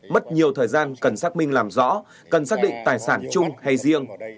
mất nhiều thời gian cần xác minh làm rõ cần xác định tài sản chung hay riêng